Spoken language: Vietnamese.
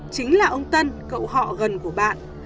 chính là ông tân cậu họ gần của bạn